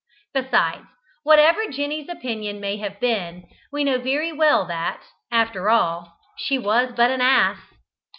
Besides, whatever Jenny's opinion may have been, we know very well that, after all, she was but an ass.